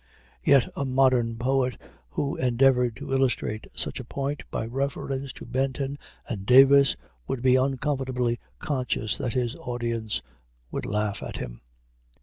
Yet a modern poet who endeavored to illustrate such a point by reference to Benton and Davis would be uncomfortably conscious that his audience would laugh at him.